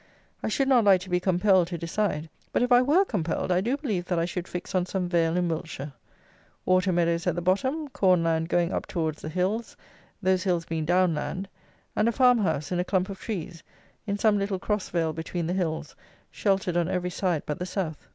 I should not like to be compelled to decide; but if I were compelled, I do believe that I should fix on some vale in Wiltshire. Water meadows at the bottom, corn land going up towards the hills, those hills being Down land, and a farm house, in a clump of trees, in some little cross vale between the hills, sheltered on every side but the south.